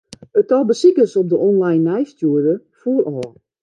It tal besikers op de online nijsstjoerder foel ôf.